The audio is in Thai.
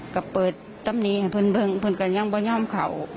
ก็เปิดต้มนี้ให้พึนเบิ๊งพึนก็ยังว่าย้อมเขา